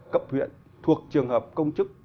cấp huyện thuộc trường hợp công chức